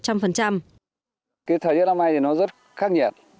cái thời tiết năm nay thì nó rất khắc nghiệt